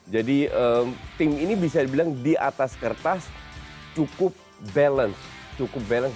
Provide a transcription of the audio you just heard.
jadi tim ini bisa dibilang di atas kertas cukup balance